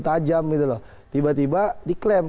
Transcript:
tajam tiba tiba diklaim